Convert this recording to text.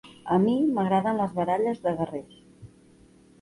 A mi m'agraden les baralles de guerrers.